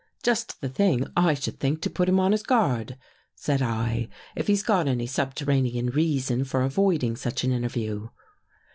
" Just the thing, I should think, to put him on his guard," said I, " if he's got any subterranean reason for avoiding such an interview."